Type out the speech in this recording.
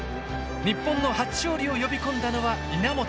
日本の初勝利を呼び込んだのは稲本。